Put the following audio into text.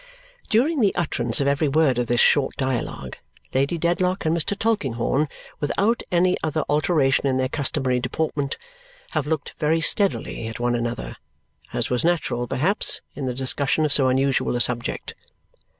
During the utterance of every word of this short dialogue, Lady Dedlock and Mr. Tulkinghorn, without any other alteration in their customary deportment, have looked very steadily at one another as was natural, perhaps, in the discussion of so unusual a subject.